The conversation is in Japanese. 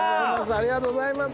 ありがとうございます！